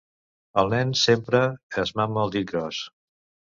El nen sempre es mama el dit gros.